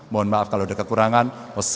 mohon maaf kalau ada kekurangan